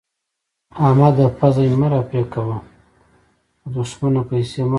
احمده! پزه مې مه راپرې کوه؛ به دوښمنه پيسې مه غواړه.